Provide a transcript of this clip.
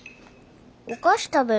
お菓子食べる。